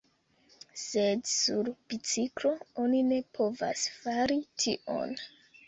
Sed sur biciklo oni ne povas fari tion.